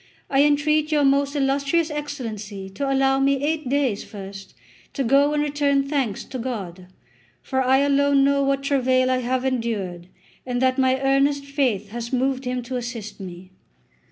I entreat your most illustrious Excellency to allow me eight days first to go and return thanks to God; for I alone know what travail I have endured, and that my earnest faith has moved Him to assist me.